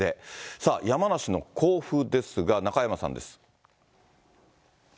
さあ、山梨の甲府ですが、中山さんです。